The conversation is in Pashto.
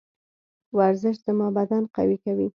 ورزش زما بدن قوي کوي.